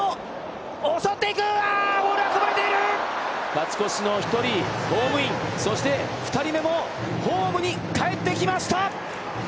勝ち越しの１人ホームイン、２人目もホームに帰ってきました。